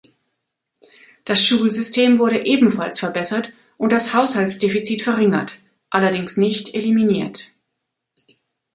Das Schulsystem wurde ebenfalls verbessert und das Haushaltsdefizit verringert, allerdings nicht eliminiert.